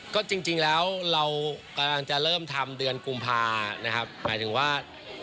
ก็จริงแล้วเราจะเริ่มทำเดือนกุมภาหมาถึงว่า